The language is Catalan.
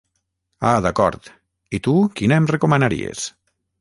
Ah d'acord, i tu quina em recomanaries?